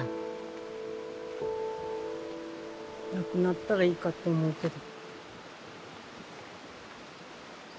なくなったらいいかと思うけど。